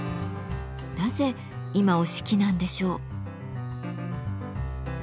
なぜ今折敷なんでしょう？